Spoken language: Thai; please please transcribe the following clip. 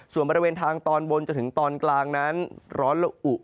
ส่วนบริเวณทางตอนบนจนถึงตอนกลางนั้นร้อนละอุ